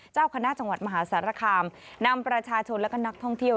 เจ้าคณะจังหวัดมหาสารคามนำประชาชนและก็นักท่องเที่ยว